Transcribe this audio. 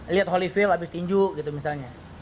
lihat holyfield abis tinju gitu misalnya